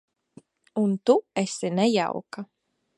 Un tu esi nejauka.